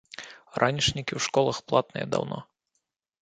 Ранішнікі ў школах платныя даўно.